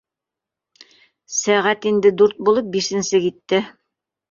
Сәғәт инде дүрт булып, бишенсе китте